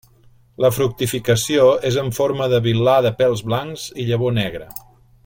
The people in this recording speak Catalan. La fructificació és en forma de vil·là de pèls blancs i llavor negra.